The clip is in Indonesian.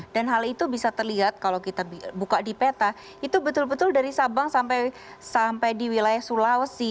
dan hal itu bisa terlihat kalau kita buka di peta itu betul betul dari sabang sampai di wilayah sulawesi